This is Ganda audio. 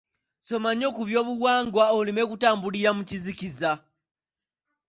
Soma nnyo ku byobuwangwa oleme kutambulira mu kizikiza.